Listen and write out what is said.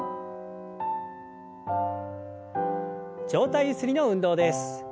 上体ゆすりの運動です。